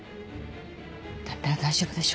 だったら大丈夫でしょ。